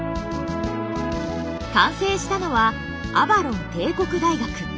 完成したのは「アバロン帝国大学」。